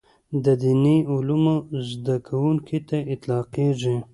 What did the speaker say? د دیني علومو زده کوونکي ته اطلاقېږي.